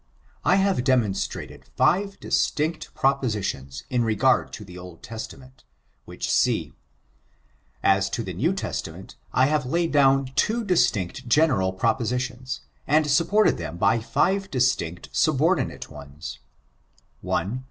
I have demonstrated five distinct propositions in regard to the Old Testament, which see. As to the New Testament, I have laid down two distinct general propositions, and supported them by five distinct subordinate ones: — I.